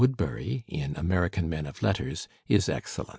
Woodberry in American Men of Letters is excellent.